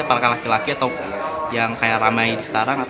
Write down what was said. apakah laki laki atau yang kayak ramai sekarang